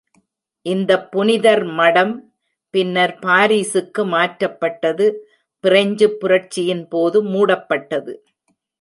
இந்தப் புனிதர் மடம் பின்னர் பாரிஸுக்கு மாற்றப்பட்டது; ஃபிரெஞ்சுப் புரட்சியின்போது மூடப்பட்டது.